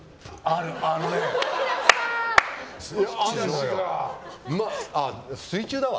あのね水中だわ。